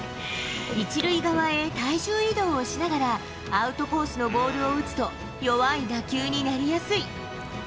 １塁側へ体重移動をしながらアウトコースのボールを打つと、弱い打球になりやすい。